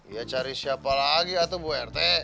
iya cari siapa lagi atau bu erte